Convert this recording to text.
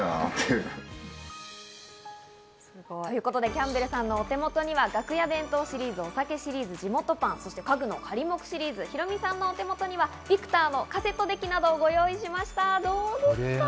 キャンベルさんのお手元には楽屋弁当シリーズ、お酒シリーズ、地元パン、そして家具のカリモクシリーズ。ヒロミさんのお手元にはビクターのカセットデッキなどをご用意しました。